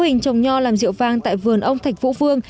hình trồng nho làm rượu vang tại vườn ông thạch vũ vương